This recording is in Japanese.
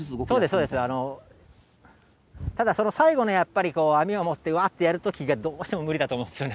ただその最後の、やっぱり網を持って、わっとやるときがどうしても無理だと思うんですよね。